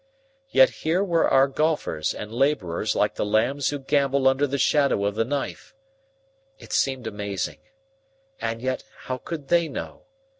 Yet here were our golfers and laborers like the lambs who gambol under the shadow of the knife. It seemed amazing. And yet how could they know?